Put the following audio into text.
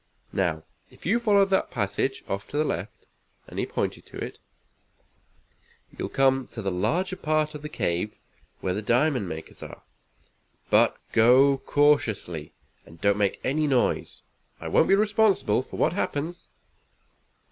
"Now if you follow that passage, off to the left," and he pointed to it, "you'll come to the larger part of the cave where the diamond makers are. But go cautiously, and don't make any noise. I won't be responsible for what happens."